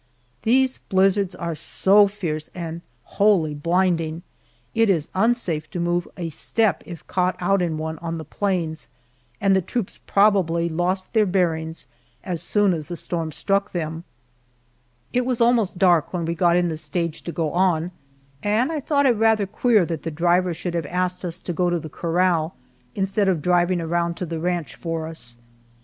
These blizzards are so fierce and wholly blinding, it is unsafe to move a step if caught out in one on the plains, and the troops probably lost their bearings as soon as the storm struck them. It was almost dark when we got in the stage to go on, and I thought it rather queer that the driver should have asked us to go to the corral, instead of his driving around to the ranch for us.